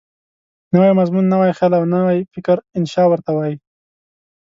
نوی مضمون، نوی خیال او نوی فکر انشأ ورته وايي.